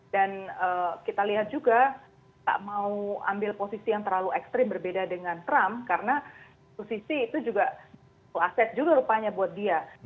dan kita lihat juga tak mau ambil posisi yang terlalu ekstrim berbeda dengan trump karena posisi itu juga aset juga rupanya buat dia